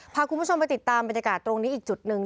พาคุณผู้ชมไปติดตามบรรยากาศตรงนี้อีกจุดหนึ่ง